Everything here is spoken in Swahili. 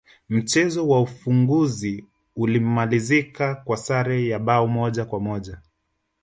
mchezo wa ufunguzi ulimalizika kwa sare ya bao moja kwa moja